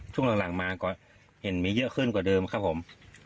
ช่วงหลังมาก็เห็นมีเยอะขึ้นกว่าเดิมครับผม